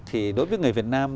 thì đối với người việt nam